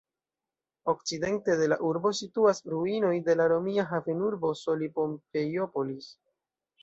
Okcidente de la urbo situas ruinoj de la romia havenurbo Soli-Pompeiopolis.